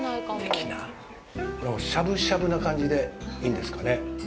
これも、しゃぶしゃぶな感じでいいんですかね。